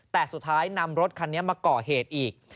แต่สุดท้ายนำรถคันนี้มาก่อเหตุอีก